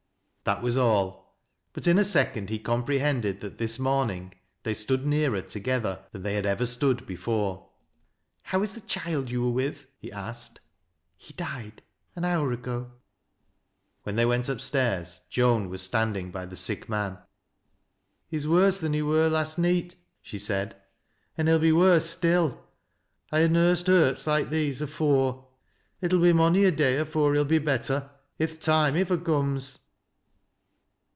That was all, but in a second he comprehended that this morning they stood nearer together than they had ever stood before. " How is the child you were with ?" he asked. " He died an hour ago." When they went upstairs, Joan was standing by the sioli man. " He's worse than he wur last neet," she said. " An' Ije'll be worse still. I ha' nursed hurts like these afore. K'll be mony a day afore he'll be better — if tli' toimo ivver comes."